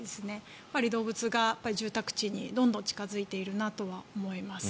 やはり動物が住宅地にどんどん近付いているなと思います。